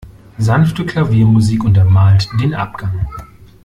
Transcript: Sanfte Klaviermusik untermalt den Abgang.